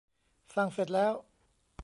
สร้างเสร็จแล้ว